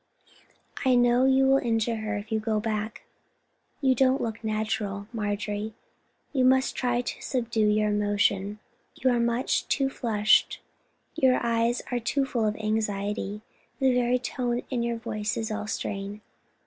"I know you will injure her if you go back. You don't look natural, Marjorie. You must try to subdue your emotion. You are much too flushed, your eyes are too full of anxiety. The very tone of your voice is all strain.